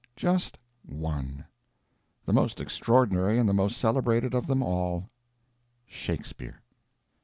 Just one—the most extraordinary and the most celebrated of them all—Shakespeare!